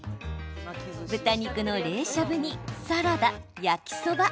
豚肉の冷しゃぶにサラダ、焼きそば。